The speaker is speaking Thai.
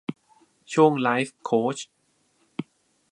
ช่วงไลฟ์โค้ช